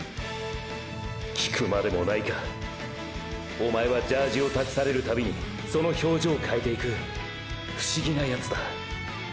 おまえはジャージを託されるたびにその表情をかえていく不思議なヤツだ。